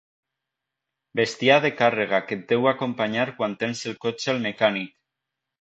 Bèstia de càrrega que et deu acompanyar quan tens el cotxe al mecànic.